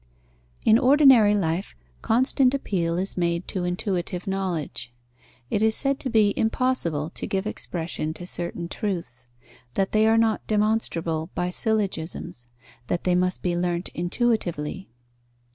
In ordinary life, constant appeal is made to intuitive knowledge. It is said to be impossible to give expression to certain truths; that they are not demonstrable by syllogisms; that they must be learnt intuitively.